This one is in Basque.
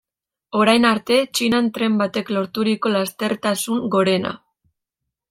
Orain arte Txinan tren batek lorturiko lastertasun gorena.